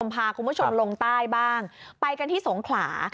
พาคุณผู้ชมลงใต้บ้างไปกันที่สงขลา